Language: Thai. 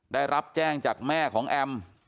ได้รับแจ้งจากแม่ของแอม